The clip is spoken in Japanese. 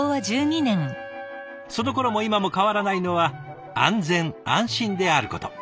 そのころも今も変わらないのは安全安心であること。